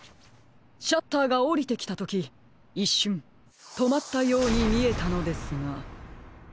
シャッターがおりてきたときいっしゅんとまったようにみえたのですが。